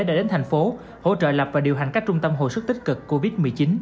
đã đến thành phố hỗ trợ lập và điều hành các trung tâm hồi sức tích cực covid một mươi chín